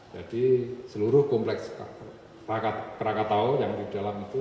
jadi seluruh kompleks krakatau yang di dalam itu